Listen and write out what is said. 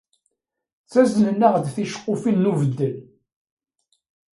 Ttaznen-aɣ-d ticeqqufin n ubeddel.